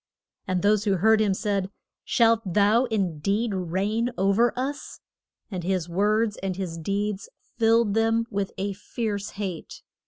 And those who heard him said, Shalt thou in deed reign o'er us? And his words and his deeds filled them with a fierce hate.